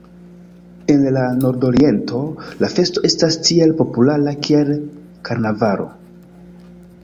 En la Nordoriento, la festo estas tiel populara kiel karnavalo.